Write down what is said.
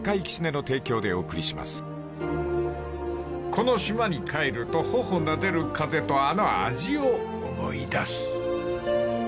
［この島に帰ると頬なでる風とあの味を思い出す］